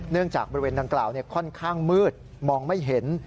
จากบริเวณดังกล่าวค่อนข้างมืดมองไม่เห็น